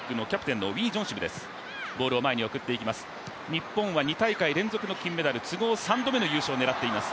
日本は２大会連続の金メダル都合３度目の優勝を狙っています。